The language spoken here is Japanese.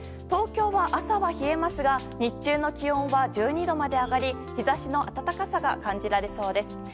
東京は、朝は冷えますが日中の気温は１２度まで上がり日差しの暖かさが感じられそうです。